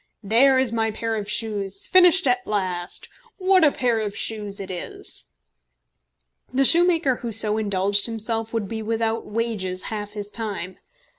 "There is my pair of shoes finished at last! What a pair of shoes it is!" The shoemaker who so indulged himself would be without wages half his time.